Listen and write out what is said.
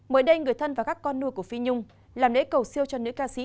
mới đây người thân và các con nuôi của phi nhung làm lễ cầu siêu cho nữ ca sĩ